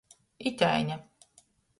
Iteine.